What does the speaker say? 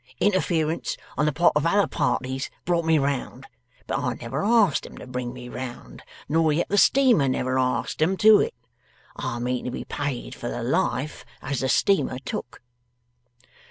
Interference on the part of other parties brought me round; but I never asked 'em to bring me round, nor yet the steamer never asked 'em to it. I mean to be paid for the life as the steamer took.